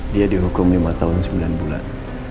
dia dihukum lima tahun sembilan bulan